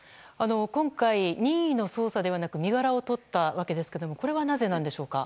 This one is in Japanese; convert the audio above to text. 今回、任意の捜査ではなく身柄をとったわけですがこれはなぜでしょうか。